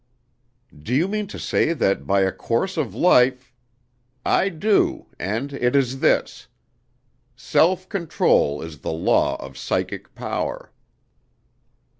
"Do you mean to say that by a course of life " "I do, and it is this: Self control is the law of psychic power."